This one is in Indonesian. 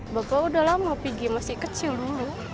bapak udah lama pergi masih kecil dulu